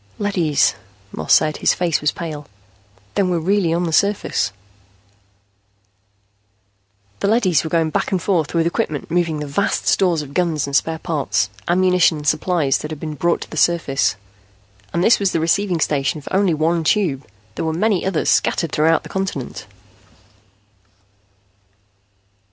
"Leadys," Moss said. His face was pale. "Then we're really on the surface." The leadys were going back and forth with equipment moving the vast stores of guns and spare parts, ammunition and supplies that had been brought to the surface. And this was the receiving station for only one Tube; there were many others, scattered throughout the continent.